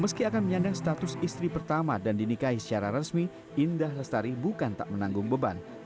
meski akan menyandang status istri pertama dan dinikahi secara resmi indah lestari bukan tak menanggung beban